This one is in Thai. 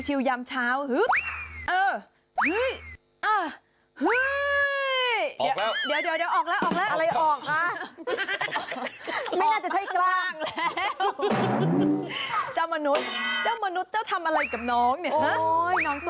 เป็นหมาตัวแรกในโลกนี้ที่มีสิทธิ์แผ็ก